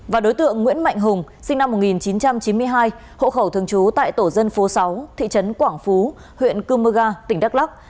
và đối tượng nguyễn mạnh hùng sinh năm một nghìn chín trăm chín mươi hai hộ khẩu thường trú tại tổ dân phố sáu thị trấn quảng phú huyện cư mơ ga tỉnh đắk lắc